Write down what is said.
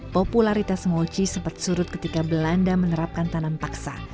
popularitas mochi sempat surut ketika belanda menerapkan tanam paksa